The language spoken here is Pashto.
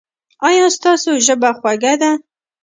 ایا ستاسو ژبه خوږه ده؟